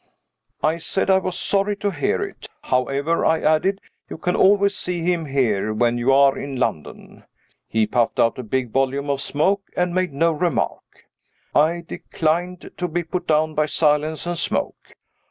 I said I was sorry to hear it. "However," I added, "you can always see him here, when you are in London." He puffed out a big volume of smoke, and made no remark. I declined to be put down by silence and smoke.